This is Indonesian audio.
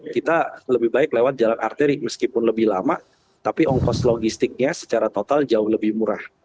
kita lebih baik lewat jalan arteri meskipun lebih lama tapi ongkos logistiknya secara total jauh lebih murah